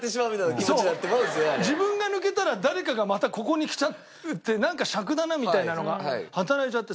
自分が抜けたら誰かがまたここに来ちゃうってなんかしゃくだなみたいなのが働いちゃってさ。